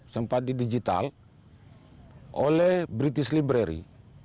sempat di digital oleh british library